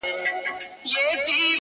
ځوانان هڅه کوي هېر کړي ډېر,